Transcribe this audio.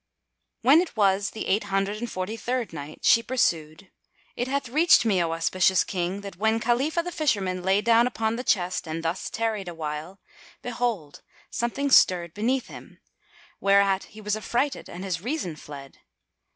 When it was the Eight Hundred and Forty third Night, She pursued, It hath reached me, O auspicious King, that when Khalifah the Fisherman lay down upon the chest and thus tarried awhile, behold, something stirred beneath him; whereat he was affrighted and his reason fled.